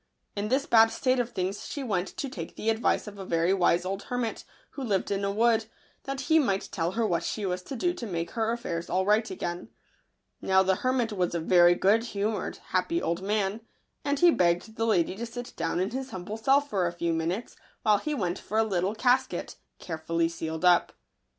In this bad state of things she went to take the advice of a very wise old hermit, who lived in a wood, that he might tell her what she was to do to make her affairs all right again. Now the hermit was a very good humoured, happy old man ; and he begged the lady to sit down in his humble cell for a few minutes, while he went for a little casket, carefully sealed up.